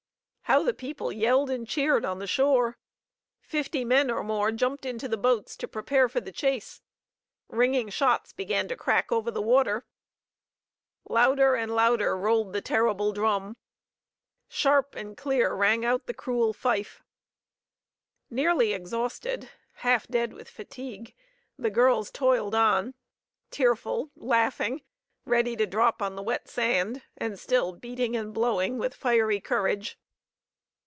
How the people yelled and cheered on the shore! Fifty men or more jumped into the boats to prepare for the chase. Ringing shots began to crack over the water. Louder and louder rolled the terrible drum. Sharp and clear rang out the cruel fife. Nearly exhausted, half dead with fatigue, the girls toiled on, tearful, laughing, ready to drop on the wet sand, and still beating and blowing with fiery courage.